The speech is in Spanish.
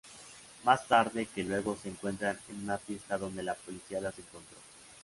Más tarde, que luego se encuentran en una fiesta donde la policía las encontró.